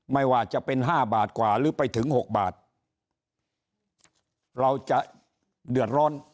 ไม่ว่าจะเป็นห้าบาทกว่าหรือไปถึง๖บาทเราจะเดือดร้อน